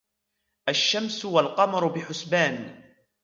الشَّمْسُ وَالْقَمَرُ بِحُسْبَانٍ